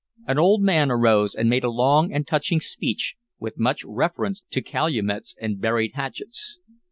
An old man arose and made a long and touching speech with much reference to calumets and buried hatchets.